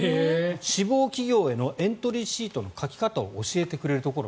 志望企業へのエントリーシートの書き方を教えてくれるところ。